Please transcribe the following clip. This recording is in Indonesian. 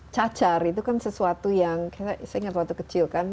cacar itu kan sesuatu yang saya ingat waktu kecil kan